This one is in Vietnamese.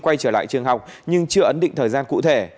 quay trở lại trường học nhưng chưa ấn định thời gian cụ thể